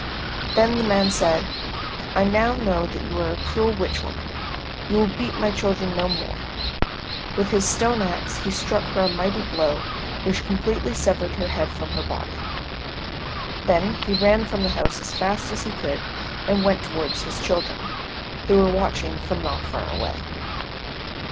Then the man said, "I know now that you are a cruel witch woman. You will beat my children no more." With his stone axe he struck her a mighty blow which completely severed her head from her body. Then he ran from the house as fast as he could and went towards his children, who were watching him not far away.